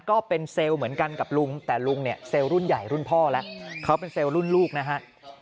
ก็เป็นเซลล์เหมือนกันกับลุงแต่ลุงเนี่ยเซลล์รุ่นใหญ่รุ่นพ่อแล้วเขาเป็นเซลล์รุ่นลูกนะฮะ